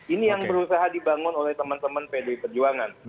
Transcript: ini yang berusaha dibangun oleh teman teman pdi perjuangan